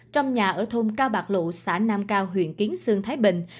trong nhà ở thôn cao bạc lộ xã nam cao huyện kiến sơn thái bình